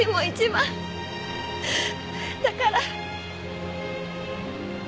だから。